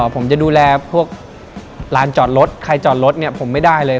ผมจะดูแลพวกร้านจอดรถใครจอดรถเนี่ยผมไม่ได้เลย